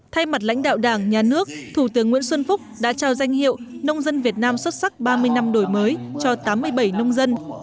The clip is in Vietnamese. thay mặt lãnh đạo đảng nhà nước thủ tướng nguyễn xuân phúc đã trao danh hiệu nông dân việt nam xuất sắc ba mươi năm đổi mới cho tám mươi bảy nông dân